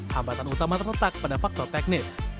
hambatan utama terletak pada faktor teknis